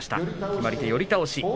決まり手、寄り倒し。